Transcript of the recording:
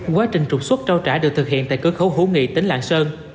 quá trình trục xuất trao trả được thực hiện tại cơ khấu hữu nghị tỉnh lạng sơn